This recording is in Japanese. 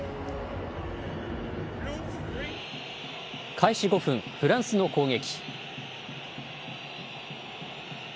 開始５分、フランスの攻撃。